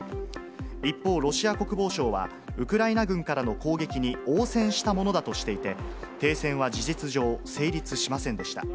一方、ロシア国防省は、ウクライナ軍からの攻撃に応戦したものだとしていて、停戦は事実上、成立しませんでした。